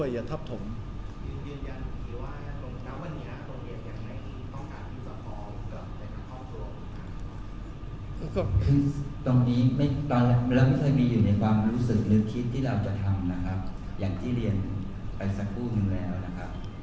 อย่างที่เรียนไปสักครู่นึงแล้วนะครับ